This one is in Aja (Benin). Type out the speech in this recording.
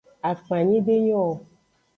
Akpanyi de nyo o.